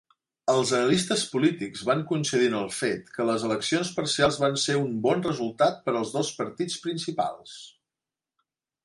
Els analistes polítics van coincidir en el fet que les eleccions parcials van ser un "bon resultat per als dos partits principals".